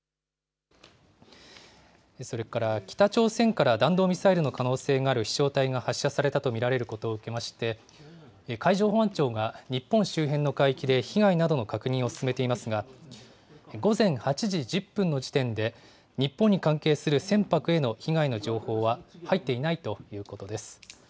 それから北朝鮮から弾道ミサイルの可能性がある飛しょう体が発射されたと見られることを受けまして、海上保安庁が日本周辺の海域で被害などの確認を進めていますが、午前８時１０分の時点で、日本に関係する船舶への被害の情報は入っていないということです。